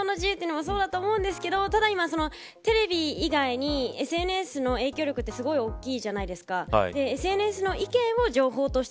橋下さんの言論の自由というのもそうだと思うんですけどただ今は、テレビ以外にＳＮＳの影響力がすごく大きいじゃないですか。